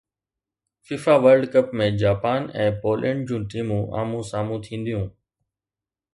FIFA World Cup ۾ Japan ۽ Poland جون ٽيمون آمهون سامهون ٿينديون